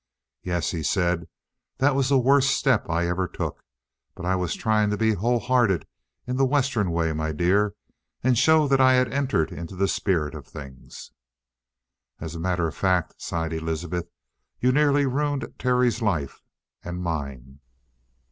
"Yes," he said, "that was the worst step I ever took. But I was trying to be wholehearted in the Western way, my dear, and show that I had entered into the spirit of things." "As a matter of fact," sighed Elizabeth, "you nearly ruined Terry's life and mine!"